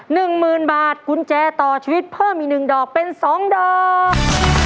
๑หมื่นบาทกุญแจต่อชีวิตเพิ่ม๑ดอกเป็น๒ดอก